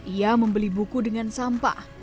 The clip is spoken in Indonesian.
ia membeli buku dengan sampah